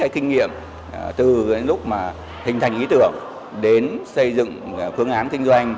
kinh nghiệm từ lúc hình thành ý tưởng đến xây dựng phương án kinh doanh